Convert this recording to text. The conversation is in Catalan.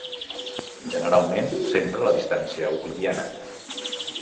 Generalment s'empra la distància euclidiana.